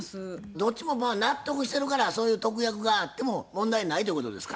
どっちも納得してるからそういう特約があっても問題ないということですか？